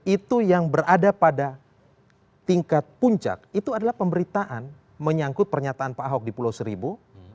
itu yang berada pada tingkat puncak itu adalah pemberitaan menyangkut pernyataan pak ahok di pulau seribu